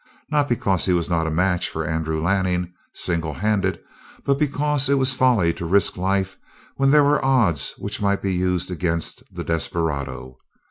Not because he was not a match for Andrew Lanning singlehanded, but because it was folly to risk life when there were odds which might be used against the desperado.